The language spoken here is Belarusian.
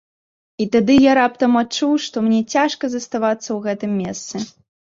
І тады я раптам адчуў, што мне цяжка заставацца ў гэтым месцы.